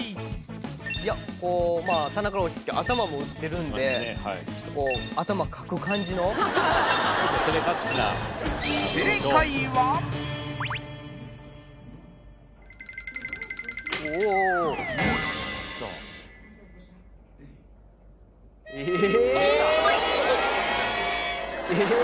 こうまあ棚から落ちて頭も打ってるんでちょっとこう頭かく感じのちょっと照れ隠しなえっ！？